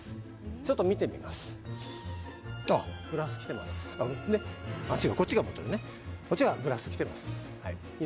ちょっと見てみますあっグラス来てますあっ